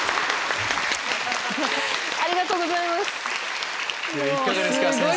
ありがとうございます！